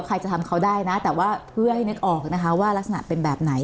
ใครจะทำเขาได้นะแต่ว่าเพื่อให้นึกออกนะคะว่ารักษณะเป็นแบบไหน